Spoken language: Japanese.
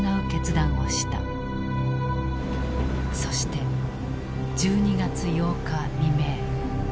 そして１２月８日未明。